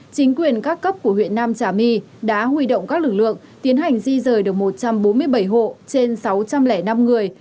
chính quyền các cấp của huyện nam trà my đã huy động các lực lượng tiến hành di rời được một trăm bốn mươi bảy hộ trên sáu trăm linh năm người